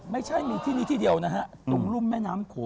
ไม่ใช่มีที่นี้ที่เดียวนะฮะ